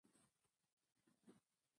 چی هغوی د وحدت او یوالی خلاف قبیلوی ژوند کاوه